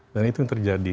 dan itu yang terjadi